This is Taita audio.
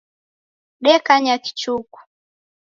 Dekanya kichuku.